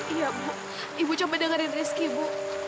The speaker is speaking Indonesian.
iya bu ibu coba dengerin rezeki bu